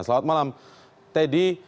selamat malam teddy